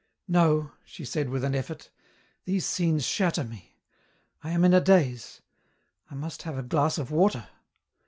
"No," she said with an effort. "These scenes shatter me. I am in a daze. I must have a glass of water."